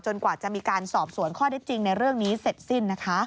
กว่าจะมีการสอบสวนข้อได้จริงในเรื่องนี้เสร็จสิ้นนะคะ